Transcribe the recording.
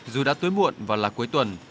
dù đã tối muộn và là cuối tuần